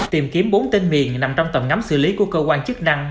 tìm kiếm bốn tên miền nằm trong tầm ngắm xử lý của cơ quan chức năng